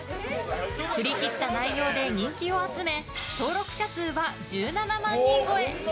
振り切った内容で人気を集め登録者数は１７万人超え。